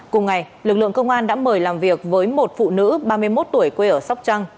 cùng ngày lực lượng công an đã mời làm việc với một phụ nữ ba mươi một tuổi quê ở sóc trăng